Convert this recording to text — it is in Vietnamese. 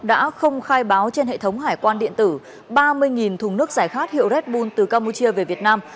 đã không khai báo trên hệ thống hải quan điện tử ba mươi thùng nước giải khát hiệu red bul từ campuchia về việt nam